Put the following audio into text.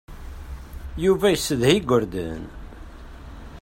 Yuba yessedha igerdan.